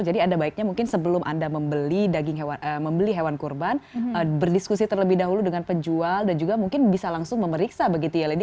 jadi ada baiknya mungkin sebelum anda membeli hewan kurban berdiskusi terlebih dahulu dengan penjual dan juga mungkin bisa langsung memeriksa begitu ya lady